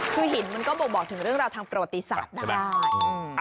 คือหินมันก็บ่งบอกถึงเรื่องราวทางประวัติศาสตร์ได้